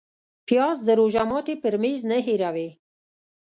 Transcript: پیاز د روژه ماتي پر میز نه هېروې